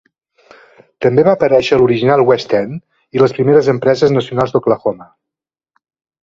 També va aparèixer a l'original West End i les primeres empreses nacionals d'Oklahoma!